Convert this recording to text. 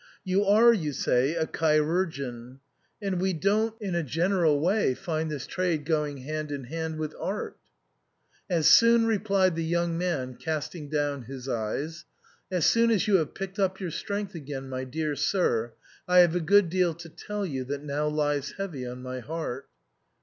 You are, you say, a chirurgeon, and we don't 74 SIGNOR FORMICA. in a general way find this trade going hand in hand with art " "As soon," replied the young man, casting down his eyes, "as soon as you have picked up your strength again, my dear sir, I have a good deal to tell you that now lies heavy on my heart."